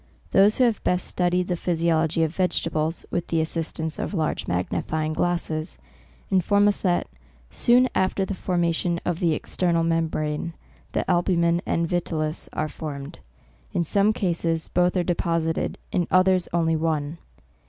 Those who have best s(n I 16 SEPTEMBER. died Hie physiology of vegetables, with the assistance of large magnifying glasses, inform us that " soon after the formation of the ex ternal membrane, the albumen and vitellus are formed ; in some cases both are deposi ted, in others only one.